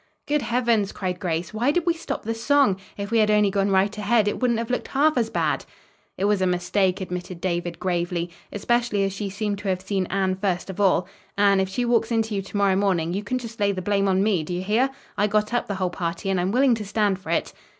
"Good heavens!" cried Grace. "Why did we stop the song? If we had only gone right ahead, it wouldn't have looked half as bad." "It was a mistake," admitted David, gravely, "especially as she seemed to have seen Anne first of all. Anne, if she walks into you to morrow morning, you can just lay the blame on me, do you hear? I got up the whole party and I'm willing to stand for it."